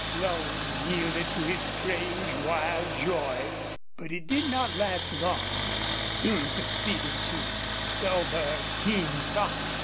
Slone yielded to his strange, wild joy, but it did not last long, soon succeeding to sober, keen thought.